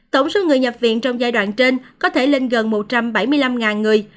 tổng số người nhập viện trong giai đoạn trên có thể lên gần một trăm bảy mươi năm người